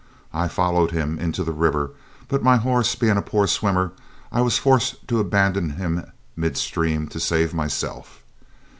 I followed him into the river, but my horse being a poor swimmer, I was forced to abandon him in mid stream to save myself.